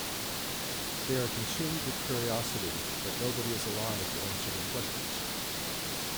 They are consumed with curiosity, but nobody is alive to answer their questions.